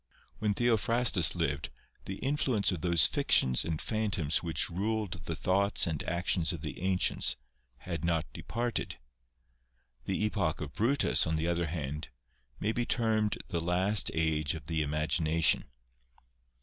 When Theophrastus lived, the influence of those fictions^ and phantoms which ruled the thoughts and actions o the ancients, had not departed. The epoch of Brutus, on the other hand, may be termed the last age of the imagination.